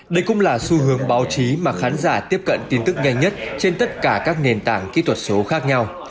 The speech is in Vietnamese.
đây cũng là xu hướng báo chí mà khán giả tiếp cận tin tức nhanh nhất trên tất cả các nền tảng kỹ thuật số khác nhau